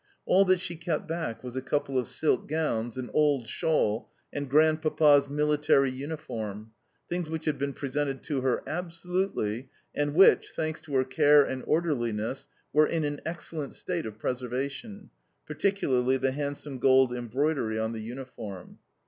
All that she kept back was a couple of silk gowns, an old shawl, and Grandpapa's military uniform things which had been presented to her absolutely, and which, thanks to her care and orderliness, were in an excellent state of preservation particularly the handsome gold embroidery on the uniform.